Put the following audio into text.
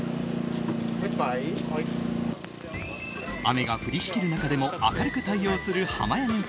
雨が降りしきる中でも明るく対応するはまやねん